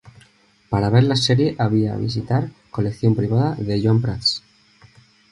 Para ver la serie había visitar colección privada de Joan Prats.